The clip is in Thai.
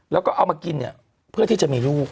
แล้วก็เอามากินเนี่ยเพื่อที่จะมีลูก